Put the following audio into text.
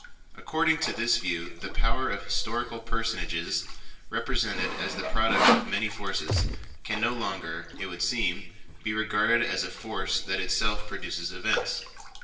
According to this view the power of historical personages, represented as the product of many forces, can no longer, it would seem, be regarded as a force that itself produces events.